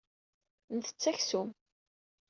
Ntett aksum.